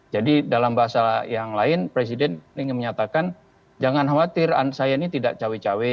jadi dalam bahasa yang lain presiden ingin menyatakan jangan khawatir saya ini tidak cawe cawe